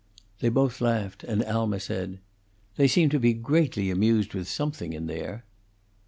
They both laughed, and Alma said, "They seem to be greatly amused with something in there."